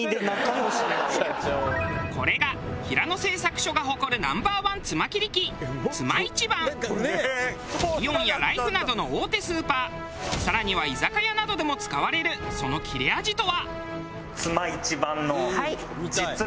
これが平野製作所が誇るＮｏ．１つま切り機イオンやライフなどの大手スーパー更には居酒屋などでも使われるその切れ味とは。